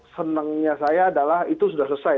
senangnya saya adalah itu sudah selesai